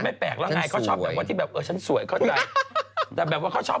อายการเขาชอบที่แบบว่าที่ฉันสวยเข้าใจ